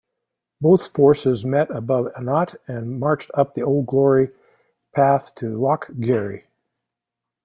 Both forces met above Annat and marched up the old path to Loch Garry.